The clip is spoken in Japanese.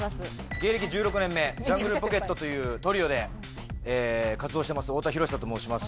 芸歴１６年目ジャングルポケットというトリオで活動してます太田博久と申します。